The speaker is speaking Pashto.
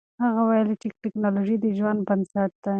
هغه ویلي و چې تکنالوژي د ژوند بنسټ دی.